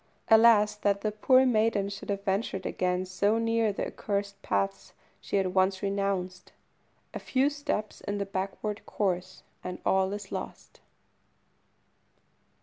Alas! that the poor maiden should have ventured again so near the accursed paths she had once renounced. A few steps in the backward course, and all is lost!